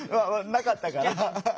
なかったから。